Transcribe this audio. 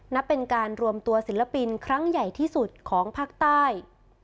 นับเป็นการรวมตัวศิลปินครั้งใหญ่ที่สุดของภาคใต้